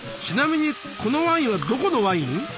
ちなみにこのワインはどこのワイン？